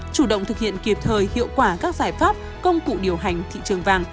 chủ động thực hiện kịp thời hiệu quả các giải pháp công cụ điều hành thị trường vàng